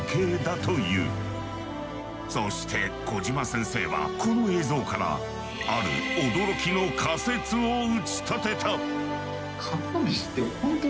そして小島先生はこの映像からある驚きの仮説を打ち立てた。